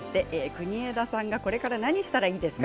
国枝さんがこれから何したらいいですか？